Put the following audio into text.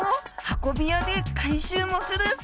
運び屋で回収もする？